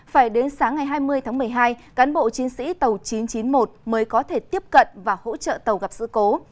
phải đến sáng ngày hai mươi tháng một mươi hai cán bộ chiến sĩ tàu chín trăm chín mươi một mới có thể tiếp cận và hỗ trợ tàu gặp sự cố